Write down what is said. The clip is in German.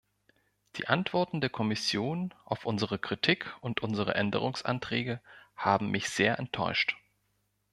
Die Antworten der Kommission auf unsere Kritik und unsere Änderungsanträge haben mich sehr enttäuscht.